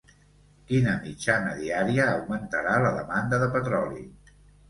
Quina mitjana diària augmentarà la demanda de petroli?